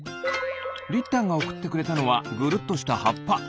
りったんがおくってくれたのはぐるっとしたはっぱ。